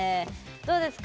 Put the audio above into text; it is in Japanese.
どうですか？